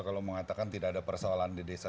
kalau mengatakan tidak ada persoalan di desa